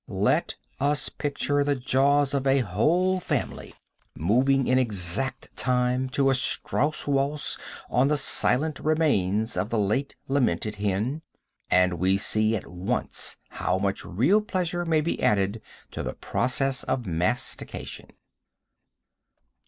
Let us picture the jaws of a whole family moving in exact time to a Strauss waltz on the silent remains of the late lamented hen, and we see at once how much real pleasure may be added to the process of mastication.